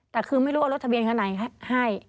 แต่คือไม่รู้เอารถทะเบียนคันไหนให้